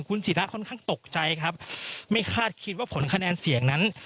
คุณศิราค่อนข้างตกใจครับไม่คาดคิดว่าผลคะแนนเสียงนั้น